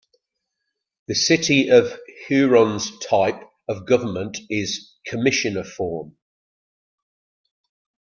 The City of Huron's type of government is "commissioner form".